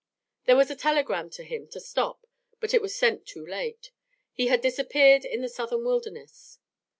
There was a telegram to him to stop, but it was sent too late. He had disappeared in the Southern wilderness.